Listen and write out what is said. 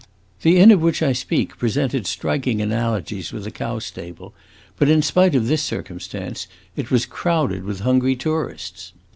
The inn of which I speak presented striking analogies with a cow stable; but in spite of this circumstance, it was crowded with hungry tourists.